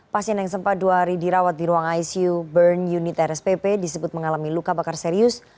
pasien yang sempat dua hari dirawat di ruang icu burn unit rspp disebut mengalami luka bakar serius